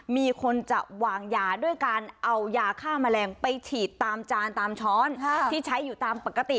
มีคนจะวางยาด้วยการเอายาฆ่าแมลงไปฉีดตามจานตามช้อนที่ใช้อยู่ตามปกติ